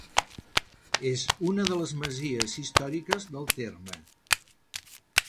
És una de les masies històriques del terme.